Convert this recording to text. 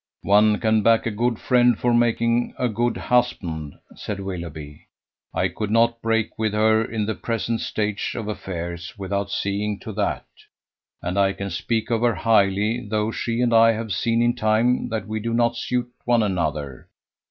"One can back a good friend for making a good husband," said Willoughby. "I could not break with her in the present stage of affairs without seeing to that. And I can speak of her highly, though she and I have seen in time that we do not suit one another.